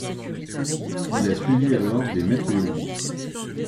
Il a suivi alors des maîtres yogis.